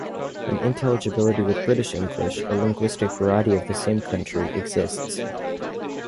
An intelligibility with British English, a linguistic variety of the same country, exists.